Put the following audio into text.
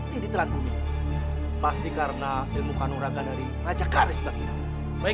tidak aku tidak akan memberikannya padamu